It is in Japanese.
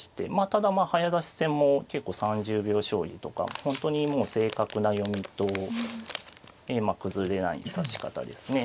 ただまあ早指し戦も結構３０秒将棋とか本当にもう正確な読みと崩れない指し方ですね。